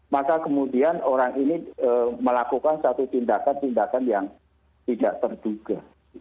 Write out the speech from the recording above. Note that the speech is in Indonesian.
maka kemudian orang ini melakukan satu tindakan tindakan yang tidak terduga